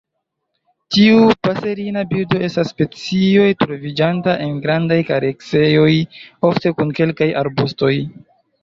Tiu paserina birdo estas specio troviĝanta en grandaj kareksejoj, ofte kun kelkaj arbustoj.